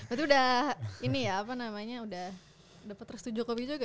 itu udah ini ya apa namanya udah petersu jokowi juga